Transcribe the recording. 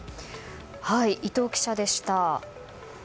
伊藤記者でした。